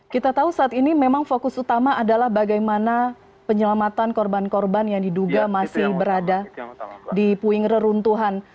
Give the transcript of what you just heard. kita tahu saat ini memang fokus utama adalah bagaimana penyelamatan korban korban yang diduga masih berada di puing reruntuhan